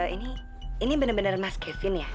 ini benar benar mas kevin ya